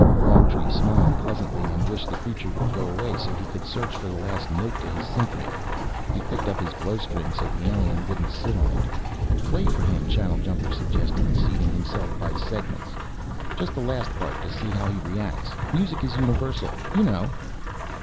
Longtree smiled pleasantly and wished the creature would go away so he could search for the last note to his symphony. He picked up his blowstring so the alien wouldn't sit on it. "Play for him," Channeljumper suggested, seating himself by segments. "Just the last part to see how he reacts. Music is universal, you know."